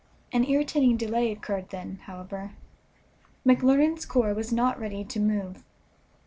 An irritating delay occurred then, however. McClernand's corps was not ready to move.